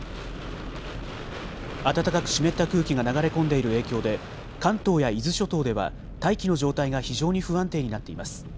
暖かく湿った空気が流れ込んでいる影響で関東や伊豆諸島では大気の状態が非常に不安定になっています。